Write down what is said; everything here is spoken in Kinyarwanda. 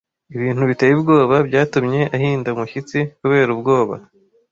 Ibintu biteye ubwoba byatumye ahinda umushyitsi kubera ubwoba.